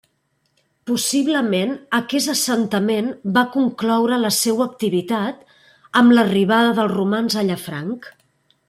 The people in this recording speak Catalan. Possiblement aquest assentament va concloure la seua activitat amb l'arribada dels romans a Llafranc.